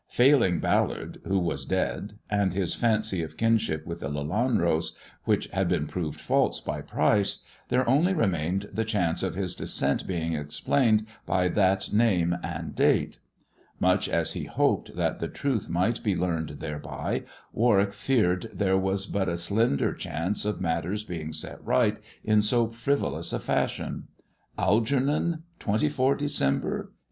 Failing Ballard, who was dead, and his fancy of kinship with the Lelanros, which had been proved false by Pryce, there only remained the chance of his descent being explained by that name and date. Much as he hoped that the truth might be learned thereby, Warwick feared there was but a slender chance of matters being set right in so frivolous a fashion. " Algernon, 24 December, 1857."